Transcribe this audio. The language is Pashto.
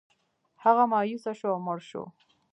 هغه مایوسه شو او مړ شو.